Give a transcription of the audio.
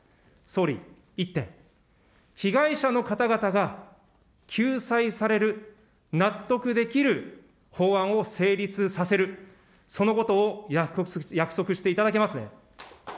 総理、１点、被害者の方々が、救済される、納得できる法案を成立させる、そのことを約束していただけますね。